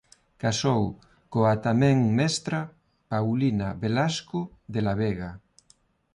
Casou coa tamén mestra Paulina Velasco de la Vega.